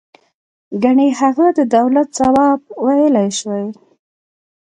گني هغه د دولت ځواب ویلای شوی.